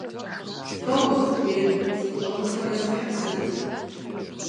Лӏо узыхуейр? Сыкъыщӏэбуфэрэзыхьыр сыт?